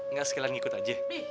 nggak sekilan ngikut aja